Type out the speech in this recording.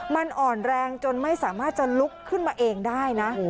มันอ่อนแรงจนไม่สามารถจะลุกขึ้นมาเองได้นะ